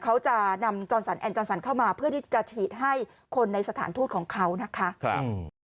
เขาจะนำจรสันแอนจรสันเข้ามาเพื่อที่จะฉีดให้คนในสถานทูตของเขานะคะครับ